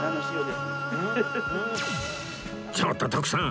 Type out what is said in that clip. ちょっと徳さん！